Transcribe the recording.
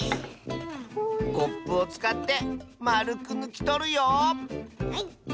コップをつかってまるくぬきとるよはい。